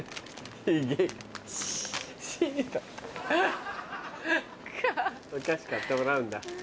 はい。